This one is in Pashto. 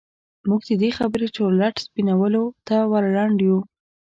موږ د دې خبرې چورلټ سپينولو ته ور لنډ يوو.